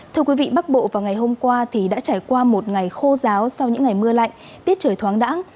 thưa quý vị bắc bộ vào ngày hôm qua thì đã trải qua một ngày khô giáo sau những ngày mưa lạnh tiết trời thoáng đẳng